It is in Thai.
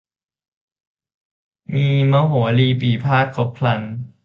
มีมโหรีปี่พาทย์ครบครัน